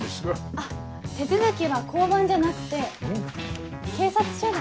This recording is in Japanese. あっ手続きは交番じゃなくて警察署で。